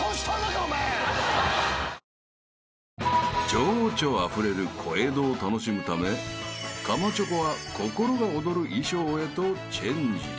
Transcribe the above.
［情緒あふれる小江戸を楽しむためかまチョコは心が躍る衣装へとチェンジ］